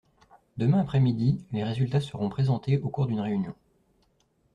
Demain après-midi, les résultats seront présentés au cours d'une réunion.